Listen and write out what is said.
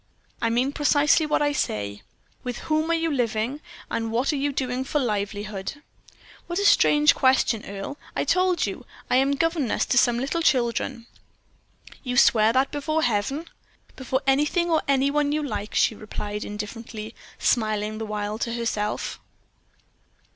"I mean precisely what I say. With whom are you living, and what are you doing for a livelihood?" "What a strange question, Earle. I told you; I am governess to some little children." "You swear that before Heaven?" "Before anything or any one you like," she replied, indifferently, smiling the while to herself.